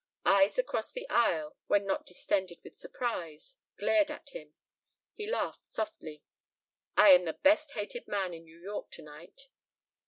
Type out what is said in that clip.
Eyes across the aisle, when not distended with surprise, glared at him. He laughed softly. "I am the best hated man in New York tonight."